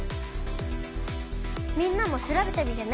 みんなも調べてみてね！